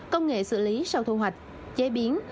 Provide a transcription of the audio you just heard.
công nghệ xử lý sau thu hoạch chế biến